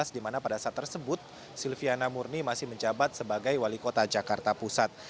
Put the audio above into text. di mana pada saat tersebut silviana murni masih menjabat sebagai wali kota jakarta pusat